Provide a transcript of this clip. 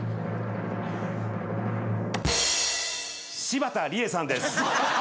柴田理恵さんです。